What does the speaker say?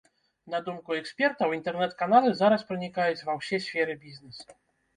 На думку экспертаў, інтэрнэт-каналы зараз пранікаюць ва ўсе сферы бізнесу.